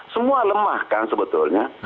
semua lemah kan sebetulnya